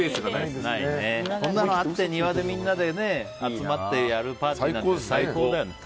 庭でみんなで集まってやるパーティーなんて最高だよね。